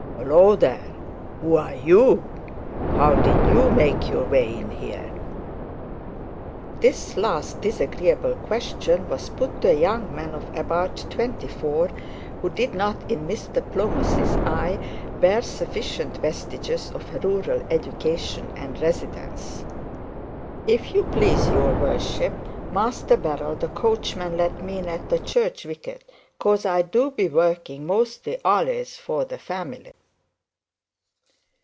Hello! there, who are you? how did you make your way in here?' This last disagreeable question was put to a young man of about twenty four, who did not, in Mr Plomacy's eye, bear sufficient vestiges of a rural education and residence. 'If you please, your worship, Master Barrell the coachman let me in at the church wicket, 'cause I do be working mostly al'ays for the family.'